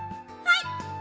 はい。